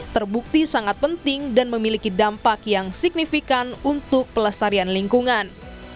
terbukti sangat penting dan memiliki dampak yang signifikan untuk pelestarian lingkungan